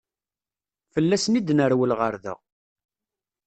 Fell-asen i d-nerwel ɣer da.